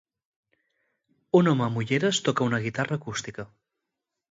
Un home amb ulleres toca una guitarra acústica.